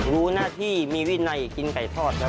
รู้หน้าที่มีวินัยกินไก่ทอดครับ